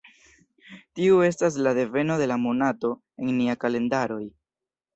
Tiu estas la deveno de la monato en nia kalendaroj.